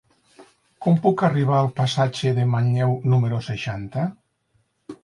Com puc arribar al passatge de Manlleu número seixanta?